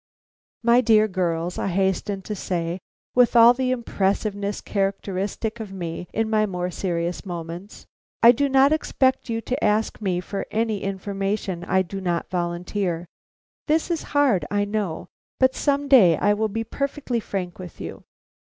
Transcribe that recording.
"My dear girls," I hastened to say, with all the impressiveness characteristic of me in my more serious moments. "I do not expect you to ask me for any information I do not volunteer. This is hard, I know; but some day I will be perfectly frank with you.